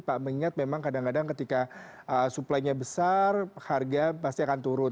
pak mengingat memang kadang kadang ketika suplainya besar harga pasti akan turun